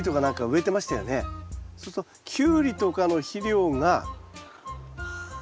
そうするとキュウリとかの肥料が。はあ。